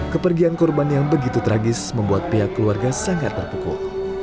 kepergian korban yang begitu tragis membuat pihak keluarga sangat terpukul